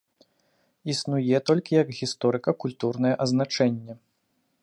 Існуе толькі як гісторыка-культурнае азначэнне.